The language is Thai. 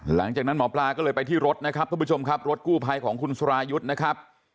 หลังจากนั้นหมอปลาก็เลยไปที่รถนะครับทุกผู้ชมครับรถกู้ภัยของคุณสุรายุทธ์นะครับ